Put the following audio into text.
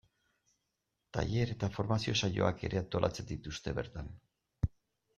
Tailer eta formazio saioak ere antolatzen dituzte bertan.